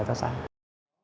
hợp tác xã hội hà nội